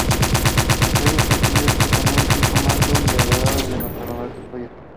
El rey está cubierto con un rico manto y adornado con numerosas joyas.